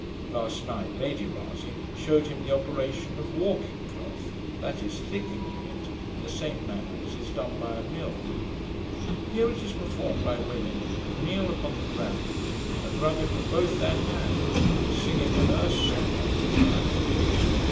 Last night Lady Rasay shewed him the operation of wawking cloth, that is, thickening it in the same manner as is done by a mill. Here it is performed by women, who kneel upon the ground, and rub it with both their hands, singing an Erse song all the time.